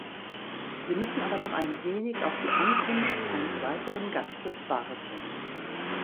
Sie müssen aber noch ein wenig auf die Ankunft eines weiteren Gastes warten.